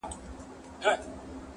ډکه کاسه که چپه نسي، و خو به چړپېږي.